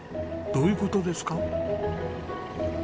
どういう事ですか？